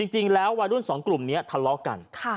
จริงแล้ววัยรุ่นสองกลุ่มนี้ทะเลาะกัน